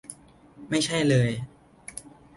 ไม่ใช่เลย